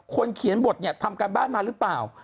เขียนบทเนี่ยทำการบ้านมาหรือเปล่า